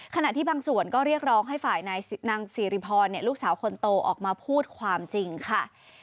ขณะที่บางส่วนก็เรียกร้องให้ฝ่ายนางสิริพรลูกสาวคนโตออกมาพูดความจริงค่ะ